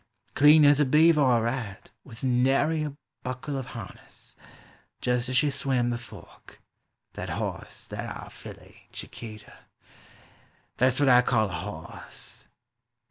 Clean as a beaver or rat, with nary a buckle of harness, Just as she swam the Fork, — that hoss, that ar' filly, Chiquita. That 's what T call a hoss !